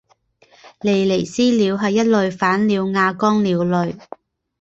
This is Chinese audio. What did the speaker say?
利尼斯鸟是一类反鸟亚纲鸟类。